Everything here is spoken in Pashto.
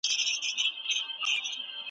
خدایه په زړه کي مي دا یو ارمان راپاته مه کې .